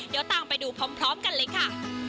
เดี๋ยวตามไปดูพร้อมกันเลยค่ะ